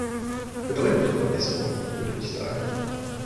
Bedeutende Verbesserungen, würde ich sagen.